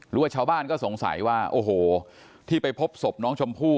หรือว่าชาวบ้านก็สงสัยว่าโอ้โหที่ไปพบศพน้องชมพู่